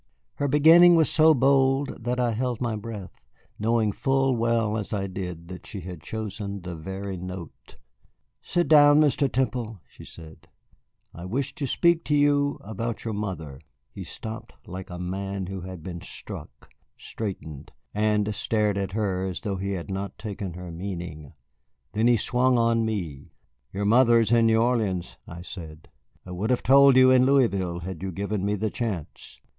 Her beginning was so bold that I held my breath, knowing full well as I did that she had chosen the very note. "Sit down, Mr. Temple," she said. "I wish to speak to you about your mother." He stopped like a man who had been struck, straightened, and stared at her as though he had not taken her meaning. Then he swung on me. "Your mother is in New Orleans," I said. "I would have told you in Louisville had you given me the chance."